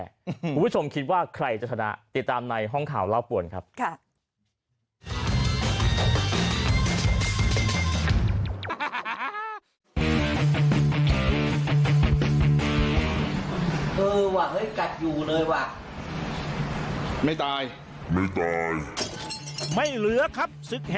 คุณผู้ชมคิดว่าใครจะชนะติดตามในห้องข่าวเล่าป่วนครับ